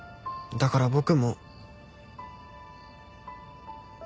だから僕も。